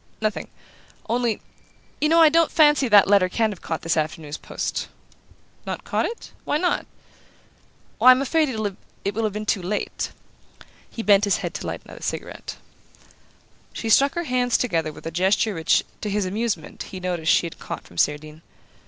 "Nothing. Only you know I don't fancy that letter can have caught this afternoon's post." "Not caught it? Why not?" "Why, I'm afraid it will have been too late." He bent his head to light another cigarette. She struck her hands together with a gesture which, to his amusement, he noticed she had caught from Cerdine.